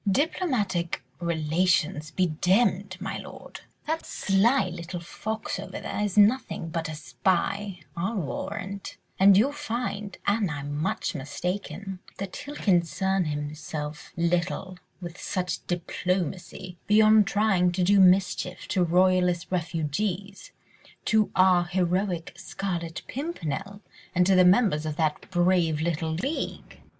"Diplomatic relations be demmed, my lord! That sly little fox over there is nothing but a spy, I'll warrant, and you'll find—an I'm much mistaken, that he'll concern himself little with diplomacy, beyond trying to do mischief to royalist refugees—to our heroic Scarlet Pimpernel and to the members of that brave little league."